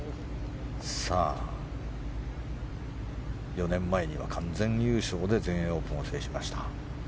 ４年前には完全優勝で全英オープンを制しました。